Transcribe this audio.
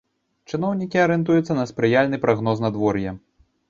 Чыноўнікі арыентуюцца на спрыяльны прагноз надвор'я.